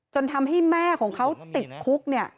จนทำให้แม่ของเขาติดคุกเนี่ย